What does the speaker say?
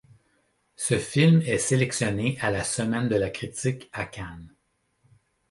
Ce film est sélectionné à la Semaine de la Critique à Cannes.